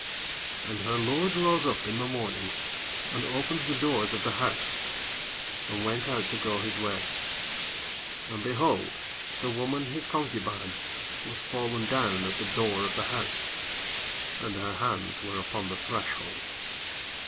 27 ¶ And her lord rose up in the morning, and opened the doors of the house, and went out to go his way: and, behold, the woman his concubine was fallen down at the door of the house, and her hands were upon the threshold.